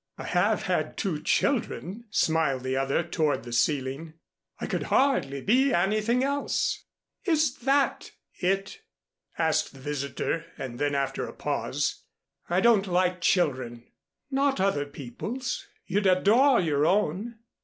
"I have had two children," smiled the other toward the ceiling. "I could hardly be anything else." "Is that it?" asked the visitor; and then after a pause, "I don't like children." "Not other people's. You'd adore your own."